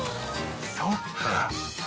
そっか。